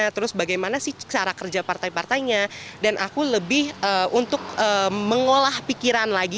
terus bagaimana sih cara kerja partai partainya dan aku lebih untuk mengolah pikiran lagi